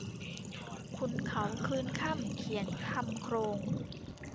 ขุนเขาคืนค่ำเขียนคำโคลง